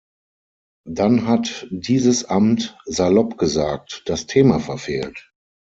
Dann hat dieses Amt, salopp gesagt, das Thema verfehlt.